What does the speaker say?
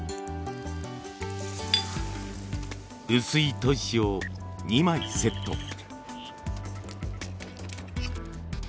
薄い砥石を２枚セット。